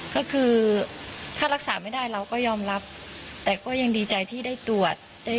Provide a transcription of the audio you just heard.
ก็คือถ้ารักษาไม่ได้เราก็ยอมรับแต่ก็ยังดีใจที่ได้ตรวจ